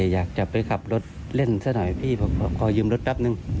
อยากจะไปขับรถเล่นซะหน่อยพี่ขอยืมรถแป๊บนึง